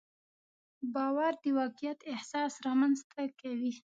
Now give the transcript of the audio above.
باور د واقعیت احساس رامنځته کوي.